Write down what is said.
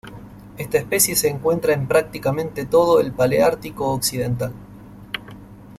Esta especie se encuentra en prácticamente todo el Paleártico occidental.